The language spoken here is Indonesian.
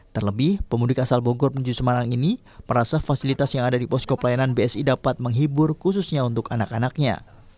terlebih pemudik asal bogor menuju semarang ini merasa fasilitas yang ada di posko pelayanan bsi dapat menghibur khususnya untuk anak anaknya